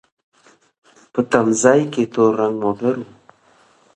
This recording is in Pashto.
په تم ځای کې تور رنګ موټر و.